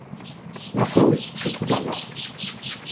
Ma foi oui, c’est Trompe-la-Mort